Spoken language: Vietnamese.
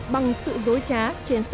bằng sự dối trá trên sức khỏe